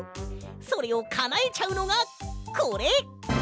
それをかなえちゃうのがこれ！